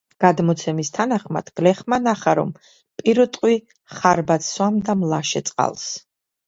გადმოცემის თანახმად გლეხმა ნახა, რომ პირუტყვი ხარბად სვამდა მლაშე წყალს.